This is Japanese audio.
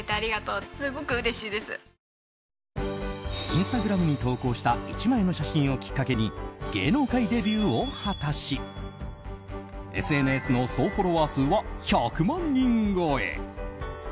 インスタグラムに投稿した１枚の写真をきっかけに芸能界デビューを果たしＳＮＳの総フォロワー数は１００万人超え。